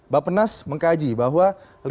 bapak penas mengkaji bahwa